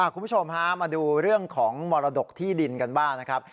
คุณผู้ชมฮะมาดูเรื่องของมรดกที่ดินกันบ้างนะครับ